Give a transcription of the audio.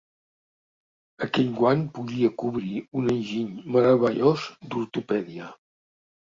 Aquell guant podia cobrir un enginy meravellós d'ortopèdia.